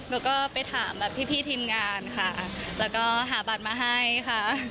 แล้วก็ไปถามแบบพี่ทีมงานค่ะแล้วก็หาบัตรมาให้ค่ะ